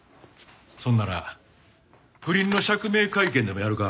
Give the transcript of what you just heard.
そんなら不倫の釈明会見でもやるか？